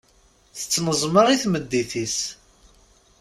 Tettneẓma i tmeddit-is.